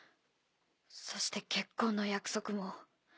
そして結婚の約束も。